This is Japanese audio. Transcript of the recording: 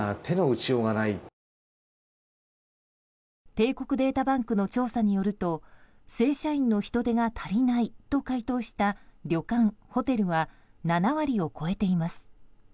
帝国データバンクの調査によると正社員の人手が足りないと回答した旅館・ホテルは７割を超えています。